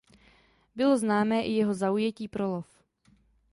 Bylo známé i jeho zaujetí pro lov.